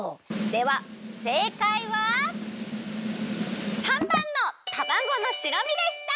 ではせいかいは③ばんのたまごの白身でした！